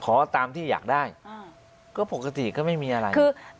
ขอตามที่อยากได้ก็ปกติก็ไม่มีอะไรคือ